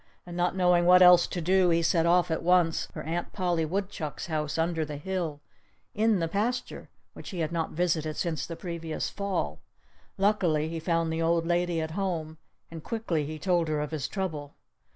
And not knowing what else to do, he set off at once for Aunt Polly Woodchuck's house under the hill, in the pasture, which he had not visited since the previous fall. Luckily, he found the old lady at home. And quickly he told her of his trouble.